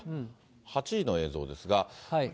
８時の映像ですが。